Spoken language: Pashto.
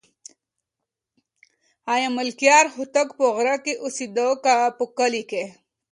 آیا ملکیار هوتک په غره کې اوسېده که په کلي کې؟